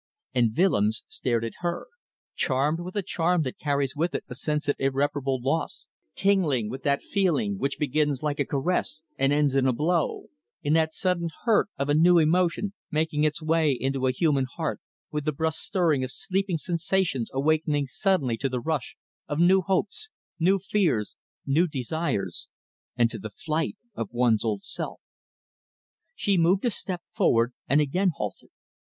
And Willems stared at her, charmed with a charm that carries with it a sense of irreparable loss, tingling with that feeling which begins like a caress and ends in a blow, in that sudden hurt of a new emotion making its way into a human heart, with the brusque stirring of sleeping sensations awakening suddenly to the rush of new hopes, new fears, new desires and to the flight of one's old self. She moved a step forward and again halted.